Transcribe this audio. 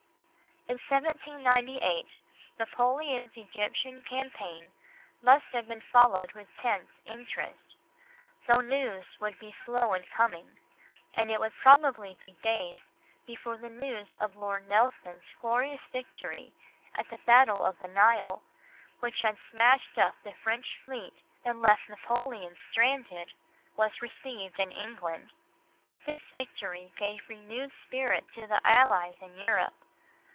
In 1798, Napoleon's Egyptian campaign must have been followed with tense interest, though news would be slow in coming, and it would probably be many days before the news of Lord Nelson's glorious victory at the Battle of the Nile, which had smashed up the French fleet and left Napoleon stranded, was received in England. This victory gave renewed spirit to the Allies in Europe.